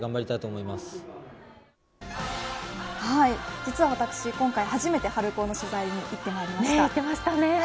実は私、今回はじめて春高の取材に行ってまいりました。